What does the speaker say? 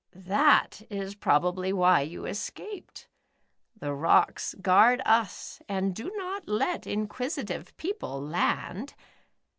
"that is probably whv vou escaped. The rocks guard us, and do not let inquisitive people land.